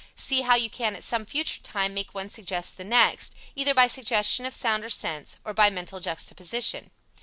See how you can at some future time make one suggest the next, either by suggestion of sound or sense, or by mental juxtaposition.